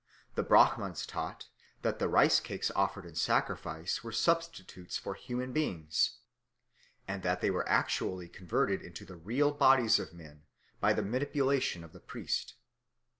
The Brahmans taught that the rice cakes offered in sacrifice were substitutes for human beings, and that they were actually converted into the real bodies of men by the manipulation of the priest.